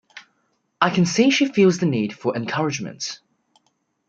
I can see she feels the need for encouragement.